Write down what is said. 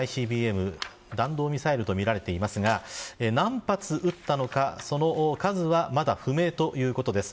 ＩＣＢＭ弾道ミサイルとみられていますが何発撃ったのかその数はまだ不明ということです。